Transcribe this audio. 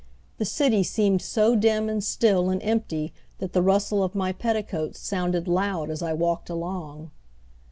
The city seemed so dim and still and empty that the rustle of my petticoats sounded loud as I walked along.